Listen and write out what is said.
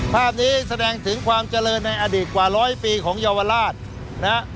ภาพนี้แสดงถึงความเจริญในอดีตกว่าร้อยปีของเยาวราชนะฮะ